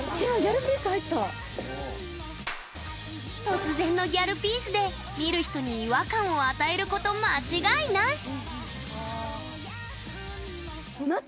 突然のギャルピースで見る人に違和感を与えること間違いなし！